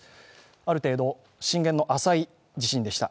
ある程度、震源の浅い地震でした。